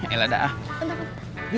eh lah dah